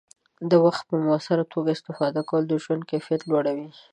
د وخت په مؤثره توګه استفاده کول د ژوند کیفیت لوړوي.